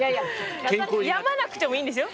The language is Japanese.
病まなくてもいいんですよ。